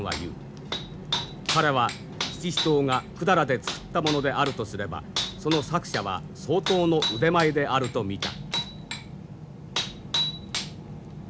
彼は七支刀が百済で作ったものであるとすればその作者は相当の腕前であると見た。